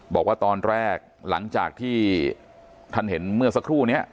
บอกว่าตอนแรกหลังจากที่ท่านเห็นเมื่อสักครู่นี้